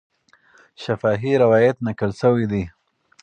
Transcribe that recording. شفاهي روایت نقل سوی دی.